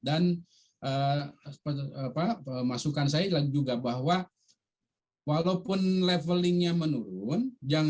dan masukan saya juga bahwa walaupun levelingnya menurun